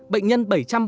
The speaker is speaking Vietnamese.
bệnh nhân bảy trăm ba mươi